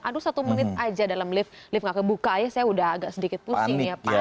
aduh satu menit aja dalam lift lift gak kebuka aja saya udah agak sedikit pusing ya pak